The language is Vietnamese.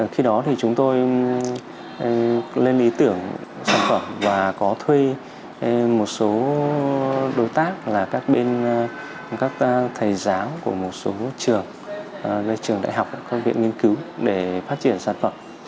khi đó thì chúng tôi lên ý tưởng sản phẩm và có thuê một số đối tác là các bên các thầy giáo của một số trường các trường đại học các viện nghiên cứu để phát triển sản phẩm